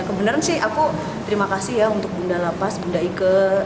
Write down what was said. kebenaran sih aku terima kasih ya untuk bunda lapas bunda ike